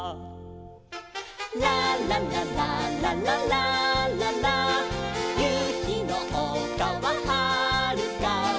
「ラララララララララ」「ゆうひのおかははるか」